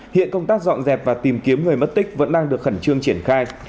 hiện công tác dọn dẹp và tìm kiếm người mất tích vẫn đang được khẩn trương triển khai